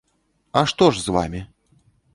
А што ж з вамі?